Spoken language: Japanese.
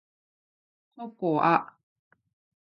ココア